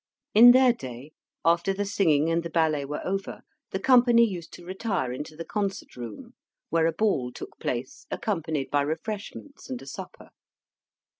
In their day, after, the singing and the ballet were over, the company used to retire into the concert room, where a ball took place, accompanied by refreshments and a supper.